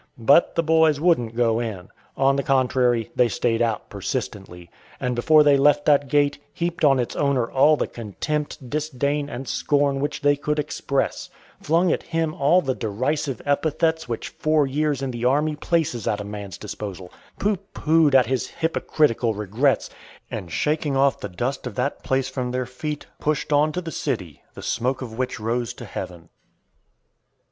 But the boys wouldn't "go in." On the contrary, they stayed out persistently, and, before they left that gate, heaped on its owner all the contempt, disdain, and scorn which they could express; flung at him all the derisive epithets which four years in the army places at a man's disposal; pooh poohed at his hypocritical regrets; and shaking off the dust of that place from their feet, pushed on to the city, the smoke of which rose to heaven.